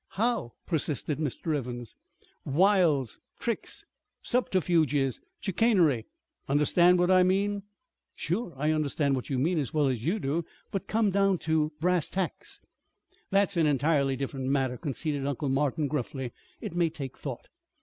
"How?" persisted Mr. Evans. "Wiles, tricks, subterfuges, chicanery understand what I mean?" "Sure! I understand what you mean as well as you do, but come down to brass tacks." "That's an entirely different matter," conceded Uncle Martin gruffly. "It may take thought."